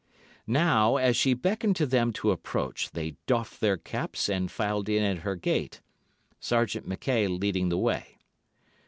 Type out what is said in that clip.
Now, as she beckoned to them to approach, they doffed their caps and filed in at her gate, Sergeant Mackay leading the way.